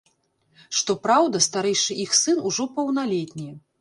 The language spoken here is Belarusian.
Што праўда, старэйшы іх сын ужо паўналетні.